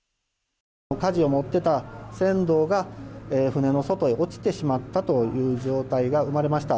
舵を持ってた船頭が船の外へ落ちてしまったという状態が生まれました。